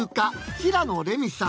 平野レミさん。